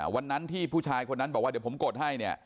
วันนั้นที่ผู้ชายคนนั้นบอกว่าเดี๋ยวผมกดให้เนี่ย